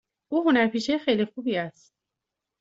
او هنرپیشه خیلی خوبی است.